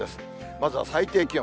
まずは最低気温。